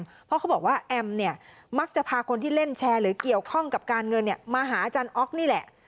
เพราะเขาบอกว่าแอมเนี่ยมักจะพาคนที่เล่นแชร์หรือเกี่ยวข้องกับการเงินมาหาอาจารย์อ๊อกนี่แหละ